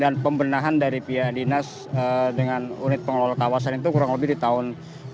dan pembenahan dari pihak dinas dengan unit pengelola kawasan itu kurang lebih di tahun dua ribu lima belas dua ribu enam belas